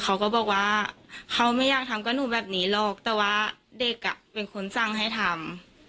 เขาก็บอกว่าเขาไม่อยากทำกับหนูแบบนี้หรอกแต่ว่าเด็กอ่ะเป็นคนสั่งให้ทำ